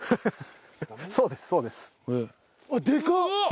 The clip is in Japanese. そうですそうです。でかっ！